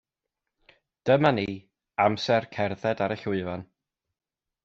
Dyma ni, amser cerdded ar y llwyfan